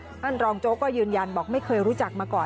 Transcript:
ท่านรองโจ๊กก็ยืนยันบอกไม่เคยรู้จักมาก่อน